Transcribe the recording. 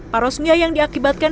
parosmia yang diakibatkan